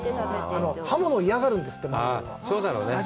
刃物を嫌がるんですって。